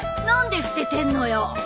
何で捨ててんのよ？